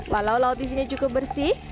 walau laut disini cukup bersih